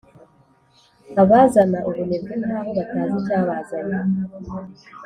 abazana ubunebwe nkaho batazi icyabazanye